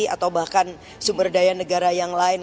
atau bahkan sumber daya negara yang lain